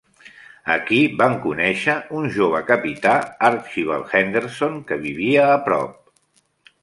Aquí van conèixer un jove capità Archibald Henderson que vivia a prop.